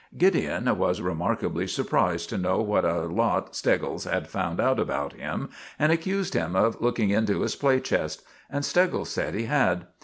Gideon was remarkably surprised to know what a lot Steggles had found out about him, and accused him of looking into his play chest; and Steggles said he had.